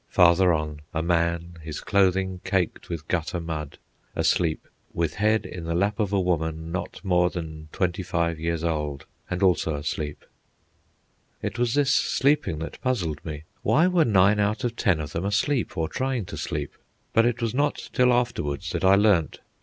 Farther on, a man, his clothing caked with gutter mud, asleep, with head in the lap of a woman, not more than twenty five years old, and also asleep. It was this sleeping that puzzled me. Why were nine out of ten of them asleep or trying to sleep? But it was not till afterwards that I learned.